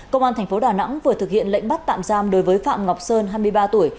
công an tp đà nẵng vừa thực hiện lệnh bắt tạm giam đối với phạm ngọc sơn hai mươi ba tuổi